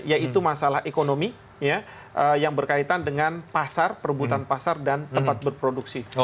yaitu masalah ekonomi yang berkaitan dengan pasar perbutan pasar dan tempat berproduksi